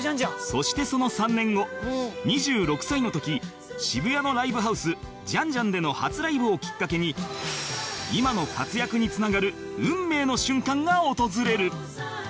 そしてその３年後２６歳の時渋谷のライブハウスジァン・ジァンでの初ライブをきっかけに今の活躍につながる運命の瞬間が訪れる